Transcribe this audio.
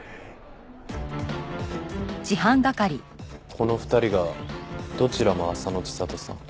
この２人がどちらも浅野知里さん。